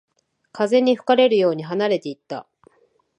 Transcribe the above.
風に吹かれるように離れていった